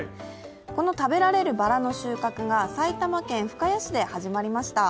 この食べられるバラの収穫が埼玉県深谷市で始まりました。